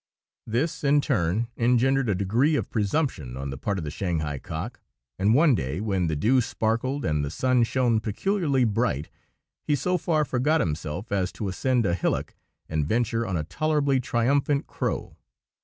This, in turn, engendered a degree of presumption on the part of the Shanghai cock; and one day, when the dew sparkled and the sun shone peculiarly bright, he so far forgot himself as to ascend a hillock and venture on a tolerably triumphant crow.